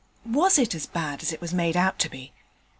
'Was it as bad as it was made out to be?'